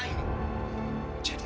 aib di kampung kita ini